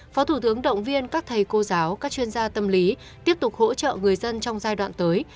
phó thủ tướng động viên các thầy cô giáo các chuyên gia tâm lý tiếp tục hỗ trợ người dân trong giai đoạn tới